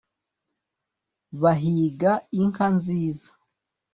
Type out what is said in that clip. bahiga inka nziza